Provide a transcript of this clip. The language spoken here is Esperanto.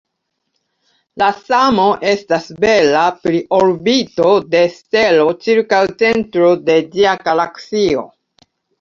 La samo estas vera pri orbito de stelo ĉirkaŭ centro de ĝia galaksio.